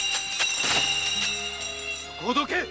そこをどけ！